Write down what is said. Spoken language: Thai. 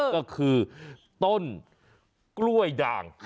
ก็คือต้นกล้วยด่าง